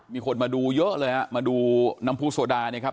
มีคนมาดูเยอะเลยฮะมาดูน้ำผู้โซดาเนี่ยครับ